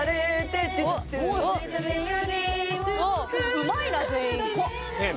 うまいな全員。